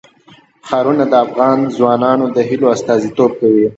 ښارونه د افغان ځوانانو د هیلو استازیتوب کوي.